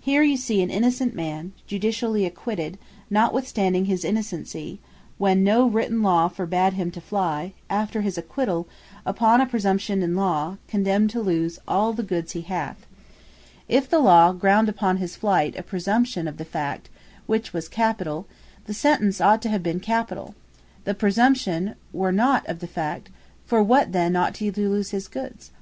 Here you see, An Innocent Man, Judicially Acquitted, Notwithstanding His Innocency, (when no written Law forbad him to fly) after his acquitall, Upon A Presumption In Law, condemned to lose all the goods he hath. If the Law ground upon his flight a Presumption of the fact, (which was Capitall,) the Sentence ought to have been Capitall: if the presumption were not of the Fact, for what then ought he to lose his goods?